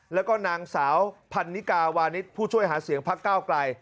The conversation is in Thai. แล้วก็นางสาวพันนิกาวานิสผู้ช่วยหาเสียงพักก้าวไกล